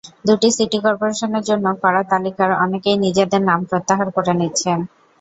দুটি সিটি করপোরেশনের জন্য করা তালিকার অনেকেই নিজেদের নাম প্রত্যাহার করে নিচ্ছেন।